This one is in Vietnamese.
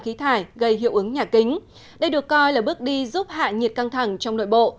khí thải gây hiệu ứng nhà kính đây được coi là bước đi giúp hạ nhiệt căng thẳng trong nội bộ